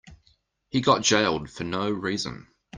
He got jailed for no reason.